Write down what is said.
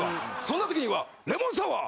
そんなときにはレモンサワー。